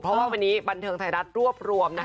เพราะว่าวันนี้บันเทิงไทยรัฐรวบรวม